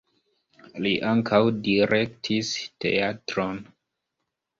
Li ankaŭ direktis teatron.